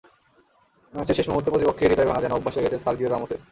ম্যাচের শেষ মুহূর্তে প্রতিপক্ষের হৃদয় ভাঙা যেন অভ্যাস হয়ে গেছে সার্জিও রামোসের।